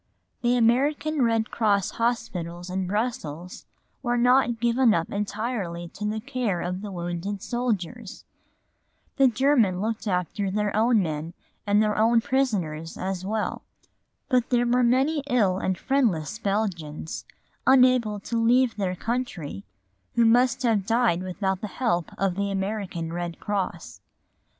The American Red Cross hospitals in Brussels were not given up entirely to the care of the wounded soldiers. The Germans looked after their own men and their prisoners as well. But there were many ill and friendless Belgians, unable to leave their country, who must have died without the help of the American Red Cross.